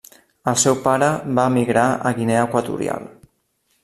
El seu pare va emigrar a Guinea Equatorial.